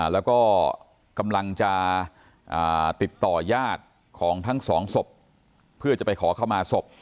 แล้วก็กำลังจะติดต่อยาดของทั้งสองศพเพื่อจะไปขอเข้ามาศพ